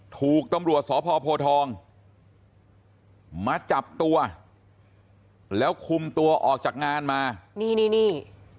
ถูกตำรวจสพโพทองมาจับตัวแล้วคุมตัวออกจากงานมานี่นี่